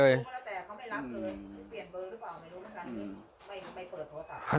ไม่หรอกนะทีนี้ไม่เปิดโทรศัพท์